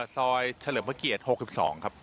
ซอยเฉลิมพระเกียรติ๖๒ครับ